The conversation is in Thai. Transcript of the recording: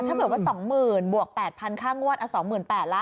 ถ้าเหมือนว่า๒๐๐๐๐บวก๘๐๐๐ค่างวด๒๘๐๐๐แล้ว